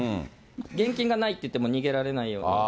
現金がないって言っても逃げられないように。